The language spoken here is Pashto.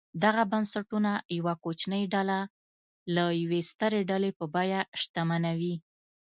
دغه بنسټونه یوه کوچنۍ ډله د یوې سترې ډلې په بیه شتمنوي.